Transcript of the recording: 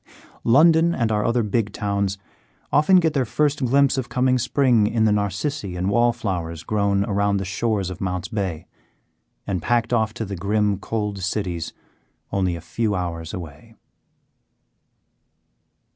London and our other big towns often get their first glimpse of coming spring in the narcissi and wallflowers grown around the shores of Mounts Bay, and packed off to the grim cold cities only a few hours away.